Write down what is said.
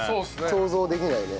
想像できないね。